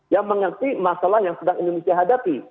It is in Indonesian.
yang mengerti masalah yang sedang indonesia hadapi